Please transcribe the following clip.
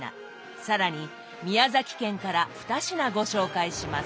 更に宮崎県から２品ご紹介します。